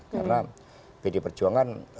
karena pd perjuangan